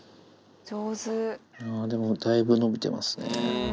でもだいぶ伸びてますね。